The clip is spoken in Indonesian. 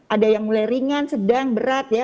ada yang mulai ringan sedang berat ya